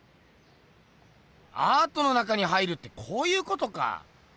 アートの中に入るってこういうことか。